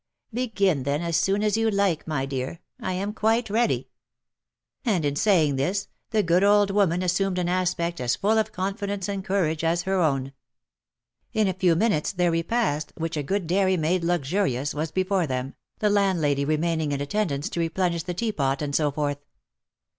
" Begin, then, as soon as you like, my dear, I am quite ready." 246' THE LIFE AND ADVENTURES And, in saying this, the good old woman assumed an aspect as full of confidence and courage as her own. In a few minutes their repast, which a good dairy made luxurious, was before them, the landlady remaining in attendance to replenish the tea pot, and so forth.